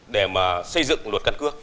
để mà xây dựng luật căn cước